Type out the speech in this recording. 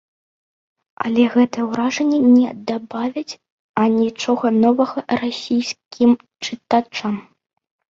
Але гэтыя ўражанні не дабавяць анічога новага расійскім чытачам.